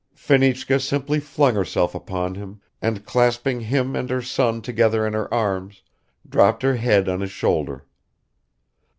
Fenichka simply flung herself upon him and clasping him and her son together in her arms, dropped her head on his shoulder.